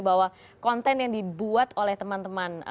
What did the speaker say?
bahwa konten yang dibuat oleh teman teman